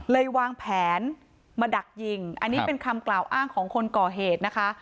วางแผนมาดักยิงอันนี้เป็นคำกล่าวอ้างของคนก่อเหตุนะคะ